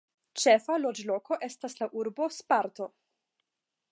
Ĉefa loĝloko estas la urbo "Sparto".